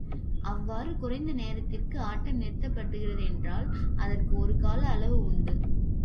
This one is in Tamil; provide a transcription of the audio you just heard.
அவ்வாறு குறைந்த நேரத்திற்கு ஆட்டம் நிறுத்தப்படுகிறது என்றால், அதற்கும் ஒரு கால அளவு உண்டு.